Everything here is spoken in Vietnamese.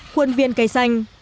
quân viên cây xanh